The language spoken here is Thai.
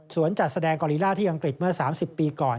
จัดแสดงกอลิล่าที่อังกฤษเมื่อ๓๐ปีก่อน